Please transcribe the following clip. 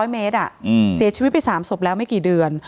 ๐เมตรเสียชีวิตไป๓ศพแล้วไม่กี่เดือน